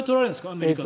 アメリカは。